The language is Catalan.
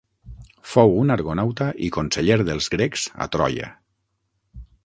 Fou un argonauta i conseller dels grecs a Troia.